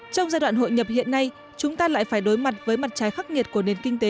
trong giai đoạn hội nhập hiện nay chúng ta lại phải đối mặt với mặt trái khắc nghiệt của nền kinh tế